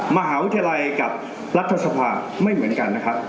มหาวิทยาลัยกับรัฐสภาไม่เหมือนกันนะครับ